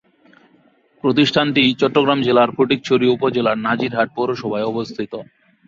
প্রতিষ্ঠানটি চট্টগ্রাম জেলার ফটিকছড়ি উপজেলার নাজিরহাট পৌরসভায় অবস্থিত।